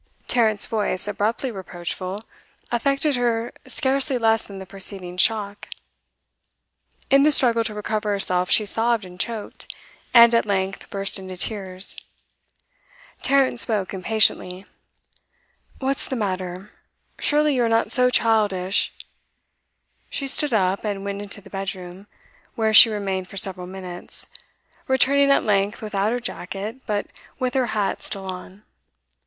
Tarrant's voice, abruptly reproachful, affected her scarcely less than the preceding shock. In the struggle to recover herself she sobbed and choked, and at length burst into tears. Tarrant spoke impatiently. 'What's the matter? Surely you are not so childish' She stood up, and went into the bedroom, where she remained for several minutes, returning at length without her jacket, but with her hat still on.